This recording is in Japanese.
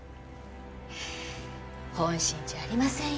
本心じゃありませんよ